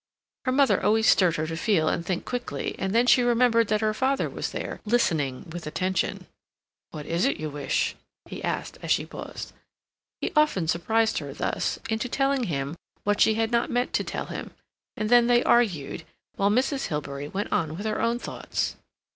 Her mother always stirred her to feel and think quickly, and then she remembered that her father was there, listening with attention. "What is it you wish?" he asked, as she paused. He often surprised her, thus, into telling him what she had not meant to tell him; and then they argued, while Mrs. Hilbery went on with her own thoughts.